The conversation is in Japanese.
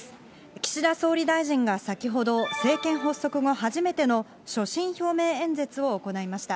岸田総理大臣が先ほど、政権発足後初めての所信表明演説を行いました。